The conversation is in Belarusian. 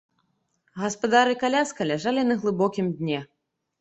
Гаспадар і каляска ляжалі на глыбокім дне.